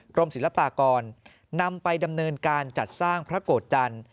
ศิลปากรนำไปดำเนินการจัดสร้างพระโกรธจันทร์